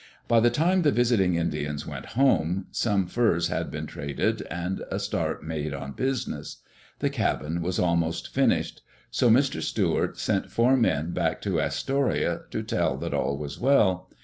By the time the visiting Indians went home, some furs had been traded and a start made on business. The cabin was almost finished. So Mr. Stuart sent four men back to Astoria to say that all was well.